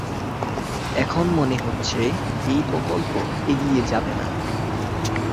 এখন মনে হচ্ছে এই প্রকল্প এগিয়ে যাবে না।